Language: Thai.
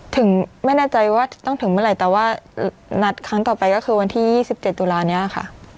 ถึงไม่แน่ใจว่าต้องถึงเมื่อไหร่แต่ว่านัดครั้งต่อไปก็คือวันที่๒๗ตุลานี้ค่ะ